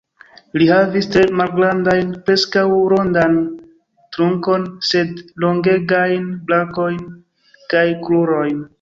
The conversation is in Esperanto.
Li havis tre malgrandan, preskaŭ rondan trunkon, sed longegajn brakojn kaj krurojn.